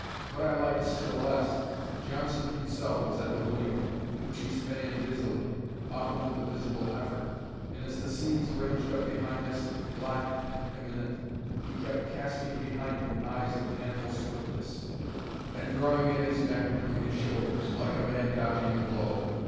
What I liked still less, Johnson himself was at the wheel, which he span busily, often with a visible effort; and as the seas ranged up behind us, black and imminent, he kept casting behind him eyes of animal swiftness, and drawing in his neck between his shoulders, like a man dodging a blow.